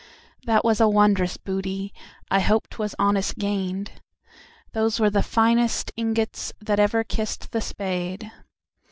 That was a wondrous booty,I hope 't was honest gained—Those were the finest ingotsThat ever kissed the spade.